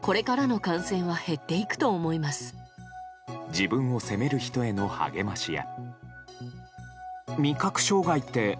自分を責める人への励ましや。